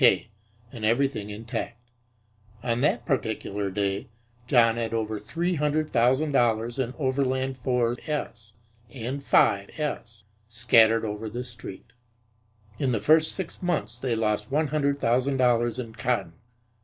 K." and everything intact. On that particular day John had over three hundred thousand dollars in Overland 4s and 5s scattered over the Street. In the first six months they lost one hundred thousand dollars in cotton.